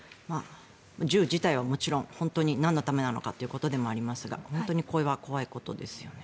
銃自体はもちろん本当になんのためなのかということでもありますが本当にこれは怖いことですよね。